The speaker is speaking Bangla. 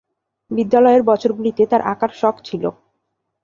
বিদ্যালয়ের বছরগুলিতে তার আঁকার শখ ছিল।